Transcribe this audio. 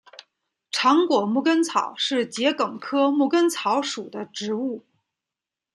长果牧根草是桔梗科牧根草属的植物。